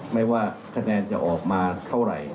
ไม่ว่าคะแนนจะออกมาเท่าไหร่